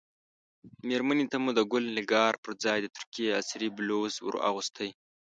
مېرمنې ته مو د ګل نګار پر ځای د ترکیې عصري بلوز ور اغوستی.